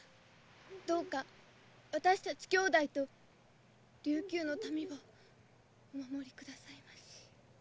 どうか私たち兄妹と琉球の民をお守りくださいまし。